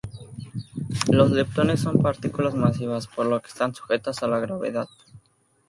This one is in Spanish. Los leptones son partículas masivas, por lo que están sujetas a la gravedad.